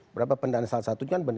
berapa pendana salah satunya